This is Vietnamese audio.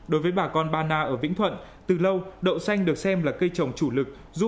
đối với bà con ba na ở vĩnh thuận từ lâu đậu xanh được xem là cây trồng chủ lực